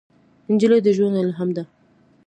نجلۍ د ژوند الهام ده.